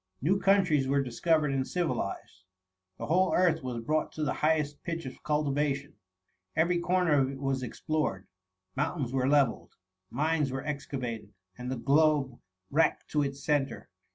New countries were dis coyered and civilized; the whole earth was brought to the highest pitch of cultivation; every comer of it was explored ; mountains were levelled, mines were excavated, and the globe racked to its centre.